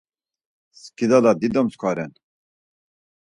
Skidala dido mskva ren.